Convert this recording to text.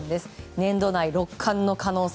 年度内、六冠の可能性。